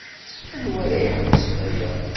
Anwa ara iḥebsen aya?